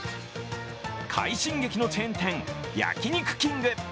快進撃のチェーン店、焼肉きんぐ。